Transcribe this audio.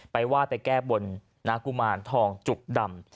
ไหว้ไปแก้บนนากุมารทองจุกดำ